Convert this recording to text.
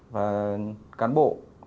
và cán bộ